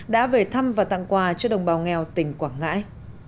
đã về thăm và tặng quà cho đồng bào nghèo tỉnh quảng ngãi